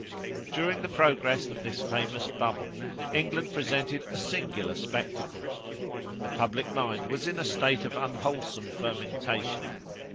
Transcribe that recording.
During the progress of this famous bubble, England presented a singular spectacle. The public mind was in a state of unwholesome fermentation.